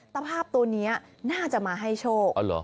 ตะภาพตัวนี้น่าจะมาให้โชค